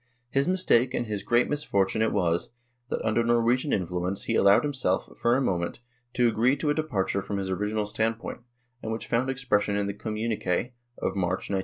His mistake and his great misfortune it was, that, under Norwegian influence, he allowed himself, for a mo ment, to agree to a departure from his original standpoint, and which found expression in the Com munique (of March, 1903).